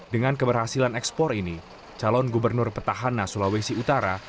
dengan keberhasilan ekspor ini calon gubernur petahana sulawesi utara